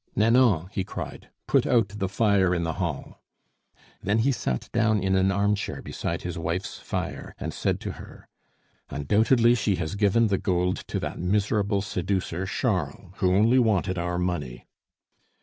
"Nanon," he cried, "put out the fire in the hall." Then he sat down in an armchair beside his wife's fire and said to her, "Undoubtedly she has given the gold to that miserable seducer, Charles, who only wanted our money."